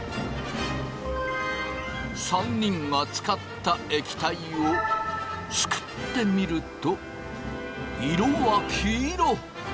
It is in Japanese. ３人がつかった液体をすくってみると色は黄色！